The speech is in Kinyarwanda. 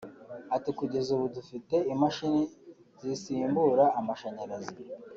Ati “Kugeza ubu dufite imashini zisimbura amashanyarazi